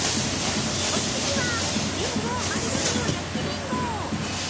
お次はりんご丸ごとの焼きりんご。